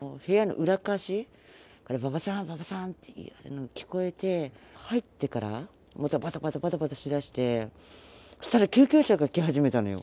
部屋の裏っかわし、馬場さん、馬場さんって聞こえて、入ってから、またばたばたばたばたしだして、したら、救急車が来始めたのよ。